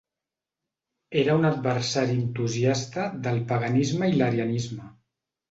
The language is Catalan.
Era un adversari entusiasta del paganisme i l'arianisme.